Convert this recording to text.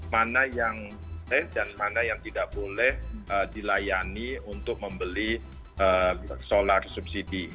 mana yang boleh dan mana yang tidak boleh dilayani untuk membeli solar subsidi